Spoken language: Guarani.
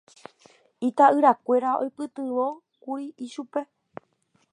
Ita'yrakuéra oipytyvõkuri ichupe